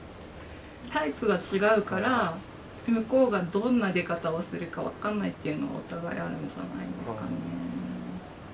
タイプが違うから向こうがどんな出方をするか分かんないっていうのがお互いあるんじゃないですかね。